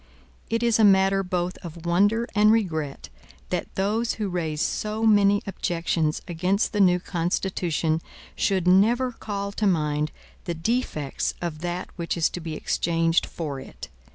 It is a matter both of wonder and regret, that those who raise so many objections against the new Constitution should never call to mind the defects of that which is to be exchanged for it.